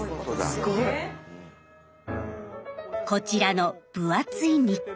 すごい！こちらの分厚い日記。